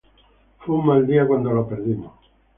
Fue un mal día cuando lo perdimos.